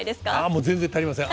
もう全然足りません。